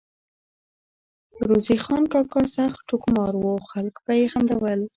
روزې خان کاکا سخت ټوکمار وو ، خلک به ئی خندول